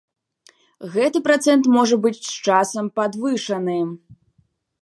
Гэты працэнт можа быць з часам падвышаны.